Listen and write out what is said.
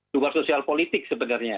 luar sosial politik sebenarnya